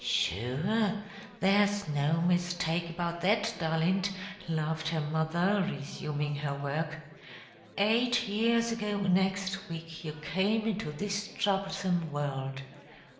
"Shure there's no mistake about that, darlint," laughed her mother, resuming her work. "Eight years ago next week you came into this throublesome world.